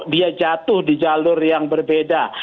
dia jatuh di jalur yang berbeda